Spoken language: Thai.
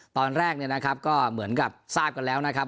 ตอนแรกเนี่ยนะครับก็เหมือนกับทราบกันแล้วนะครับ